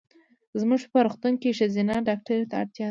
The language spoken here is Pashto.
زمونږ په روغتون کې ښځېنه ډاکټري ته اړتیا ده.